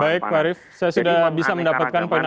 baik warif saya sudah bisa mendapatkan poin anda